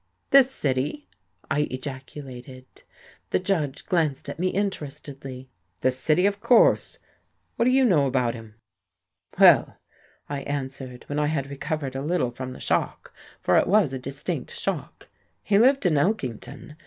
"This city?" I ejaculated. The Judge glanced at me interestedly. "This city, of course. What do you know about him?" "Well," I answered, when I had recovered a little from the shock for it was a distinct shock "he lived in Elkington.